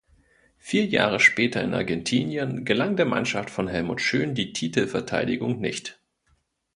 Vier Jahre später in Argentinien gelang der Mannschaft von Helmut Schön die Titelverteidigung nicht.